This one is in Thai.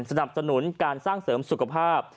สนับสนุนการสร้างเสริมสุขภาพ